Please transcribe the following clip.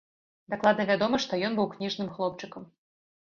Дакладна вядома, што ён быў кніжным хлопчыкам.